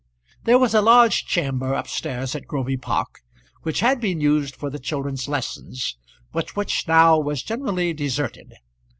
There was a large chamber up stairs at Groby Park which had been used for the children's lessons, but which now was generally deserted.